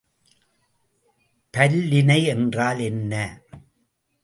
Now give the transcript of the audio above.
பல்லிணை என்றால் என்ன?